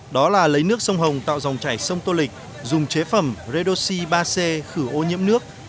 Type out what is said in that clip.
đó là lấy nước sông hồng tạo dòng chảy sông tô lịch dùng chế phẩm redoxi ba c khử ô nhiễm nước